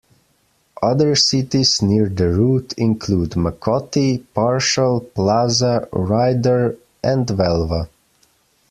Other cities near the route include Makoti, Parshall, Plaza, Ryder, and Velva.